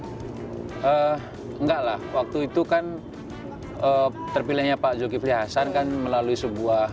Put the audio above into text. enggak lah waktu itu kan terpilihnya pak zulkifli hasan kan melalui sebuah